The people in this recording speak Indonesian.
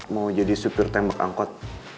mau jadi supir tembak angkot